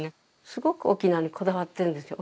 すごく沖縄にこだわってるんですよ